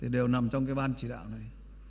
đều nằm trong cái ban chỉ đạo này